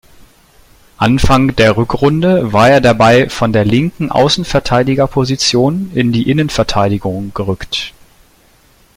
Anfang der Rückrunde war er dabei von der linken Außenverteidigerposition in die Innenverteidigung gerückt.